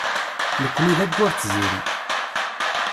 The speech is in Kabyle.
Nekni d ayyur d tziri.